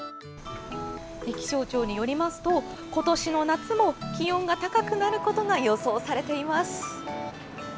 気象庁によりますと、今年の夏も気温が高くなることが予想されています。